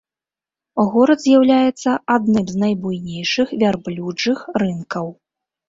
Горад з'яўляецца адным з найбуйнейшых вярблюджых рынкаў.